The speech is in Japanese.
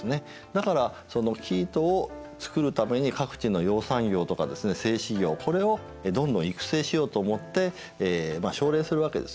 だからその生糸をつくるために各地の養蚕業とかですね製糸業これをどんどん育成しようと思ってまあ奨励するわけです。